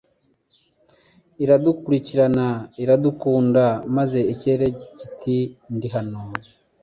Iradukurikira aradukunda maze ikirere kiti Ndi hano